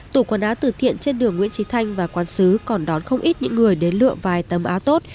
tủ quần áo tử thiện trên đường nguyễn trí thanh và quán xứ còn đón không ít những người đến lựa vài tấm áo tốt